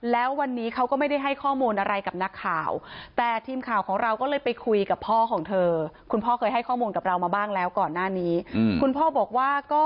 แล้ววันนี้เขาก็ไม่ได้ให้ข้อมูลอะไรกับนักข่าว